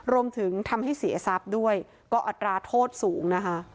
รวมถึงทำให้เสียทรัพย์ด้วยก็อัตราโทษสูงนะคะ